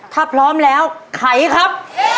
ถ้าพร้อมแล้วไขครับ